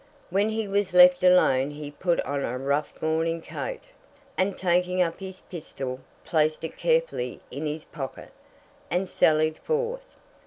When he was left alone he put on a rough morning coat, and taking up the pistol, placed it carefully in his pocket, and sallied forth.